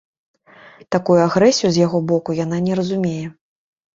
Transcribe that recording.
Такую агрэсію з яго боку яна не разумее.